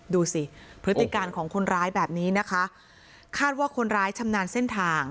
ดูสิถือการของคนร้ายคาดว่าคนร้ายชำนาญเส้นทาง